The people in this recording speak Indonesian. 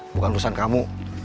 bukan urusan kamu